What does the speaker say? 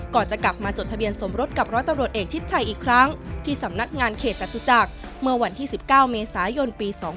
จะกลับมาจดทะเบียนสมรสกับร้อยตำรวจเอกชิดชัยอีกครั้งที่สำนักงานเขตจตุจักรเมื่อวันที่๑๙เมษายนปี๒๕๖